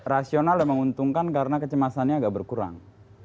rasional dan menguntungkan karena kecemasannya agak berkurang